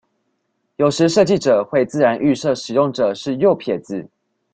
有時設計者會自然預設使用者是右撇子